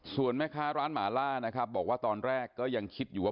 ส่วนแม่ค้าร้านหมาล่านะครับบอกว่าตอนแรกก็ยังคิดอยู่ว่า